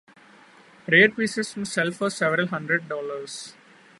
Rare pieces may sell for several hundred dollars.